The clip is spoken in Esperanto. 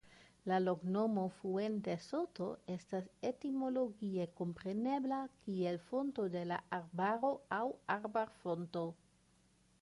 La loknomo "Fuentesoto" estas etimologie komprenebla kiel Fonto de la Arbaro aŭ Arbarfonto.